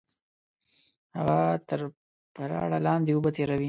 هغه تر پراړه لاندې اوبه تېروي